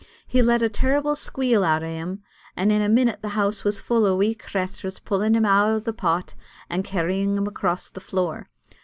He let a terrible squeal out o' him, an' in a minute the house was full o' wee crathurs pulling him out o' the pot, an' carrying him across the floor.